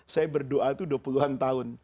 saya berdoa itu dua puluh an tahun